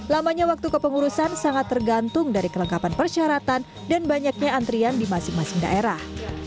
lamanya waktu kepengurusan sangat tergantung dari kelengkapan persyaratan dan banyaknya antrian di masing masing daerah